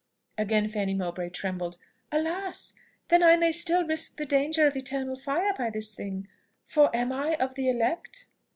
Again Fanny Mowbray trembled. "Alas! then I may still risk the danger of eternal fire by this thing, for am I of the elect?"